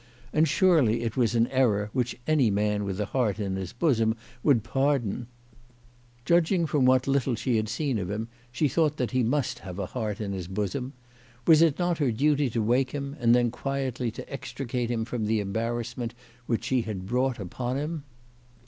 And surely it was an error which any man with a heart in his bosom would pardon ! Judging from what little she had seen of him CHRISTMAS AT THOMPSON HALL. 219 she thought that he must have a heart in his bosom. Was it not her duty to wake him, and then quietly to extricate him from the embarrassment which she had brought upon him